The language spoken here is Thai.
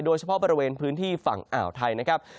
โดยเฉพาะบริเวณพื้นที่ฝั่งอ่าวไทยนะครับ